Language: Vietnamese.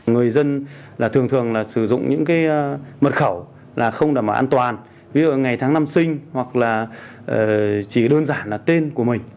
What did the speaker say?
người dân thường thường sử dụng những mật khẩu không đảm bảo an toàn ví dụ ngày tháng năm sinh hoặc là chỉ đơn giản là tên của mình